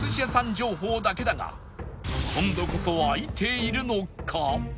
情報だけだが今度こそ開いているのか？